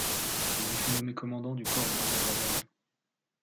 Il y fut nommé commandant du corps blindé royal.